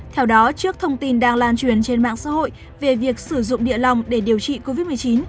theo đó trước thông tin đang lan truyền trên mạng xã hội về việc sử dụng địa lòng để điều trị covid một mươi chín